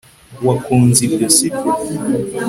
wakunze ibyo, sibyo